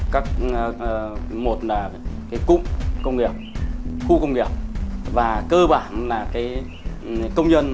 các một là cái cung công nghiệp khu công nghiệp và cơ bản là cái công nhân